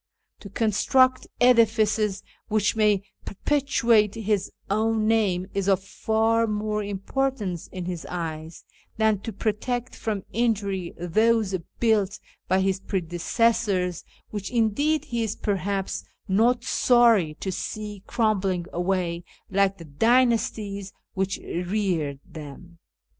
To construct edifices which may perpetuate his own name is of far more importance in his eyes than to protect from injury those built by his predecessors, which, indeed, he is perhaps not sorry to see crumbling away like the dynasties which reared them.